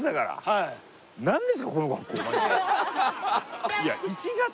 はい。